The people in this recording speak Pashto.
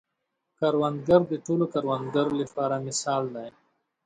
کروندګر د ټولو کروندګرو لپاره مثال دی